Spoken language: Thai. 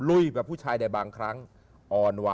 ล้นขาดลั่ว